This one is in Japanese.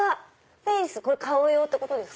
フェース顔用ってことですか？